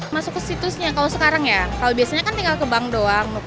masuk ke situsnya kalau sekarang ya kalau biasanya kan tinggal ke bank doang